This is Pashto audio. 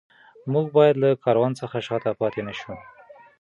موږ باید له کاروان څخه شاته پاتې نه شو.